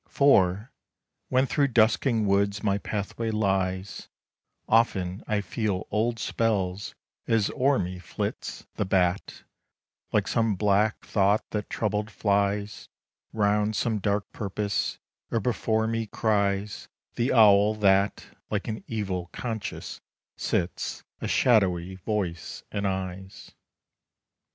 For, when through dusking woods my pathway lies, Often I feel old spells, as o'er me flits The bat, like some black thought that, troubled, flies Round some dark purpose; or before me cries The owl that, like an evil conscience, sits A shadowy voice and eyes.